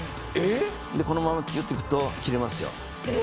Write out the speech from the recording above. このままぎゅっていくと切れますよ。